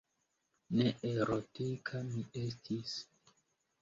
Ne erotika mi estis.